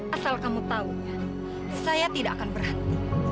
asal kamu tahunya saya tidak akan berhenti